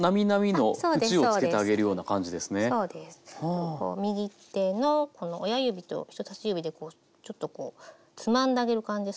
こう右手のこの親指と人さし指でちょっとこうつまんであげる感じですかね。